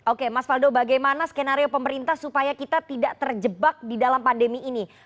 oke mas faldo bagaimana skenario pemerintah supaya kita tidak terjebak di dalam pandemi ini